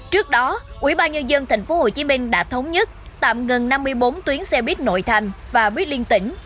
trước đó ubnd tp hcm đã thống nhất tạm ngừng năm mươi bốn tuyến xe buýt nội thành và buýt liên tỉnh